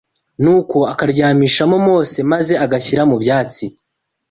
Nuko akaryamishamo Mose maze agashyira mu byatsi